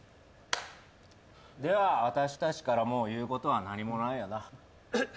では私たちからもう言うことは何もないよな。えっ？